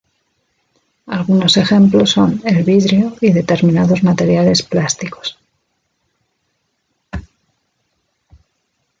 Algunos ejemplos son el vidrio y determinados materiales plásticos.